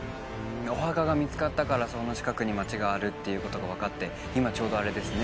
お墓が見つかったからその近くに街があるってことが分かって今ちょうどあれですね